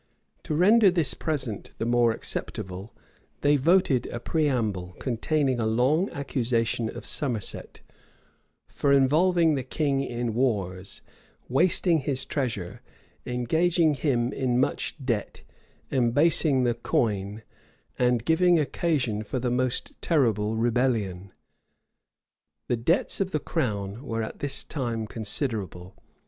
To render this present the more acceptable, they voted a preamble, containing a long accusation of Somerset, "for involving the king in wars, wasting his treasure, engaging him in much debt, embasing the coin, and giving occasion for a most terrible rebellion."[*] The debts of the crown were at this time considerable.